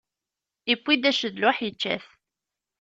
Iwwi d acedluḥ, ičča t.